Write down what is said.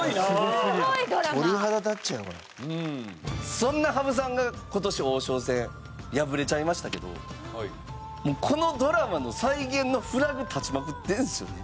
そんな羽生さんが今年王将戦敗れちゃいましたけどこのドラマの再現のフラグ立ちまくってるんですよね。